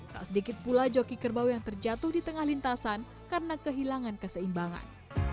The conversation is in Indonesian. tak sedikit pula joki kerbau yang terjatuh di tengah lintasan karena kehilangan keseimbangan